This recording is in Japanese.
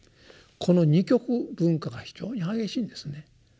この二極分化が非常に激しいんですね。